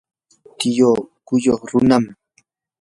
tiyuu qulluq runam.